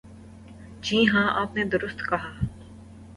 جی ہاں، آپ نے درست کہا۔